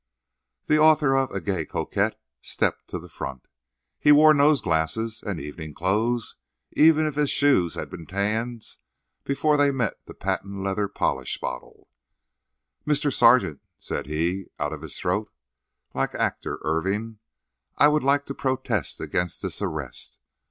The author of "A Gay Coquette" stepped to the front. He wore nose glasses and evening clothes, even if his shoes had been tans before they met the patent leather polish bottle. "Mr. Sergeant," said he, out of his throat, like Actor Irving, "I would like to protest against this arrest.